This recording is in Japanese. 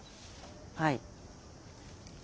はい。